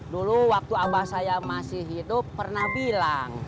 dulu waktu abah saya masih hidup pernah bilang